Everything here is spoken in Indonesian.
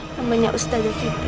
namanya ustazah siti